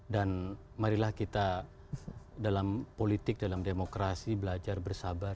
dan marilah kita dalam politik dalam demokrasi belajar bersabar